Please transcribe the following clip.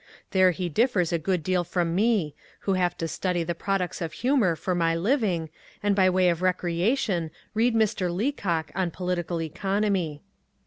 There he differs a good deal from me, who have to study the products of humour for my living, and by way of recreation read Mr. Leacock on political economy.